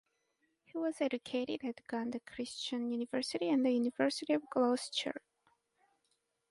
He was educated at Uganda Christian University and the University of Gloucestershire.